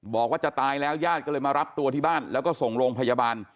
บอกว่าจะตายแล้วญาติก็เลยมารับตัวที่บ้านแล้วก็ส่งโรงพยาบาล